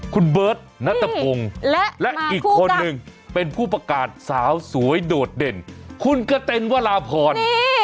คุณเบิร์ตนัตรพงศ์และอีกคนนึงเป็นผู้ประกาศสาวสวยโดดเด่นคุณกะเต็นวราพร